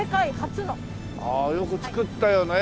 ああよく造ったよねえ。